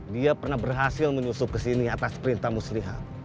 dia pernah berhasil menyusup kesini atas perintah muslihat